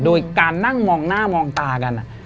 โดยการนั่งมองหน้ามองตากัน